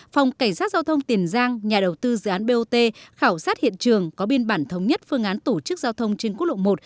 phòng cảnh sát giao thông tiền giang nhà đầu tư dự án bot khảo sát hiện trường có biên bản thống nhất phương án tổ chức giao thông trên quốc lộ một